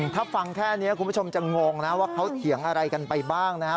ถ้าฟังแค่นี้คุณผู้ชมจะงงนะว่าเขาเถียงอะไรกันไปบ้างนะครับ